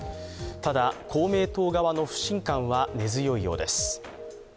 ただ公明党側の不信感は根強いようです。